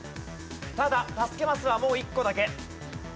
ただ助けマスはもう１個だけ。